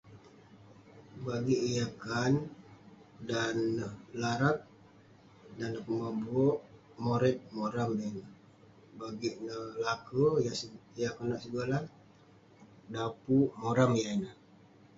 Bagik yah kaan, dan neh larag dan neh kuman bu'erk, moret moram yah ineh. Bagik neh laker, yah konak segolah, daon puk ; moram yah ineh.